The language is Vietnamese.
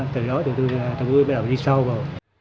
từ đó tôi bắt đầu đi sâu vào